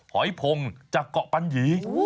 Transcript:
หอยพงจากเกาะปัญหยี